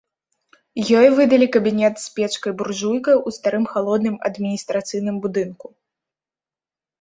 Ёй выдалі кабінет з печкай-буржуйкай у старым халодным адміністрацыйным будынку.